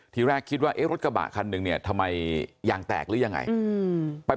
ทีแรกคิดว่าเอ๊ะรถกระบะคันหนึ่งเนี่ยทำไมยางแตกหรือยังไง